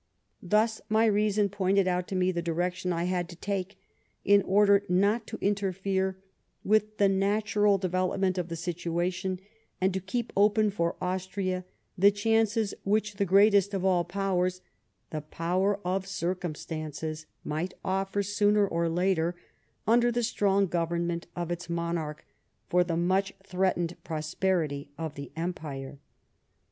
Thus my reason pointed out to mo the direction I had to take in order not to interfere with the natural development of the situation, and to keep open for Austria the chances which the greatest of all powers — the power of circumstances^ might ofl'cr, sooner or later, under the strong government of its monarch, for tiie much threatened prosperity of the Empire."